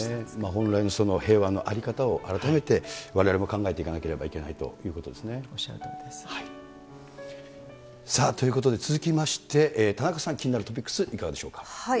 本来の平和の在り方を改めてわれわれも考えていかなければいおっしゃるとおりです。ということで、続きまして田中さん、気になるトピックス、いかがでしょうか。